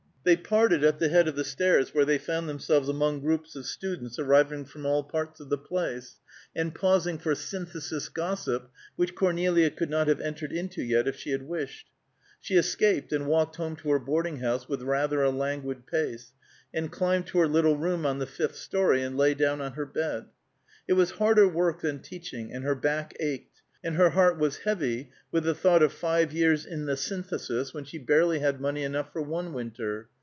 They parted at the head of the stairs, where they found themselves among groups of students arriving from all parts of the place, and pausing for Synthesis gossip, which Cornelia could not have entered into yet if she had wished. She escaped, and walked home to her boarding house with rather a languid pace, and climbed to her little room on the fifth story, and lay down on her bed. It was harder work than teaching, and her back ached, and her heart was heavy with the thought of five years in the Synthesis, when she barely had money enough for one winter.